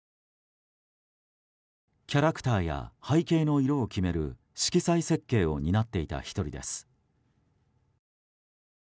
キャラクターや背景の色を決める色彩設計を担っていた１人です。